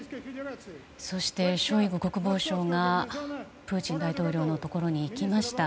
そしてショイグ国防相がプーチン大統領のところに行きました。